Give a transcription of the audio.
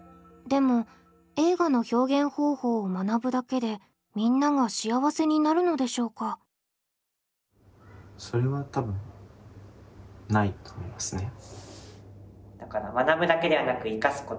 でも映画の表現方法を「学ぶ」だけでみんなが幸せになるのでしょうか？と思いますね。